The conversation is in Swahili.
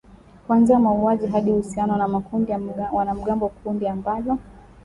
kuanzia mauaji hadi uhusiano na makundi ya wanamgambo kundi ambalo